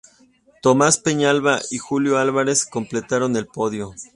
Tomás Peñalba y Julio Álvarez completaron el podio.